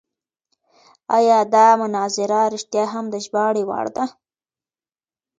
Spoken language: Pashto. ایا دا مناظره رښتیا هم د ژباړې وړ ده؟